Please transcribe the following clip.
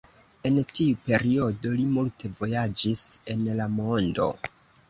En tiu periodo li multe vojaĝis en la mondo.